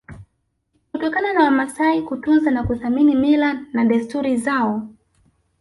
kutokana na Wamasai kutunza na kuthamini mila na desturi zao